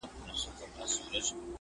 د شپې دي د مُغان په کور کي ووینم زاهده٫